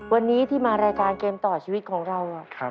วันนี้ที่มารายการเกมต่อชีวิตของเรา